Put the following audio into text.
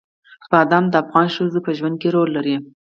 بادام د افغان ښځو په ژوند کې رول لري.